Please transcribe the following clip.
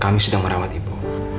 kami sedang merawat ibu